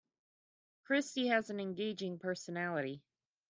Christy has an engaging personality.